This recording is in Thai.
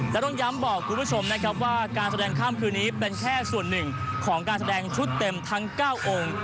และต้องย้ำบอกคุณผู้ชมนะครับว่าการแสดงข้ามคืนนี้เป็นแค่ส่วนหนึ่งของการแสดงชุดเต็มทั้ง๙องค์